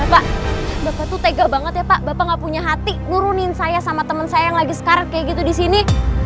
eh bapak bapak tuh tega banget ya pak bapak gak punya hati nurunin saya sama temen saya yang lagi sekarat kayak gitu disini